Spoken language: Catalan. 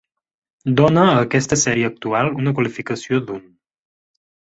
Dona a aquesta sèrie actual una qualificació d'un.